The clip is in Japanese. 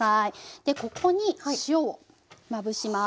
でここに塩をまぶします。